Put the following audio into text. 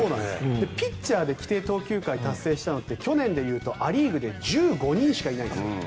ピッチャーで規定投球回達成したのって去年だとア・リーグで１５人しかいないんですよ。